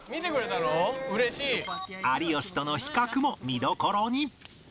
有吉との比較も見どころに